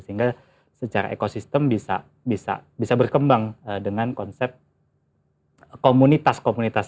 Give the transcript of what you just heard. sehingga secara ekosistem bisa berkembang dengan konsep komunitas komunitas